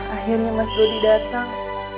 akhirnya mas dodi datang